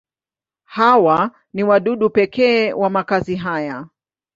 Hawa ni wadudu pekee wa makazi haya.